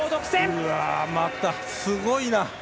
うわまたすごいな。